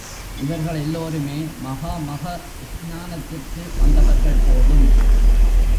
இவர்கள் எல்லோருமே மகாமக ஸ்நானத்துக்கு வந்தவர்கள் போலும்.